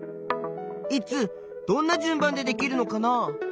いつどんな順番でできるのかな？